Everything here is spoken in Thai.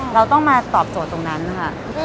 เราต้องมาตอบโจทย์ตรงนั้นค่ะ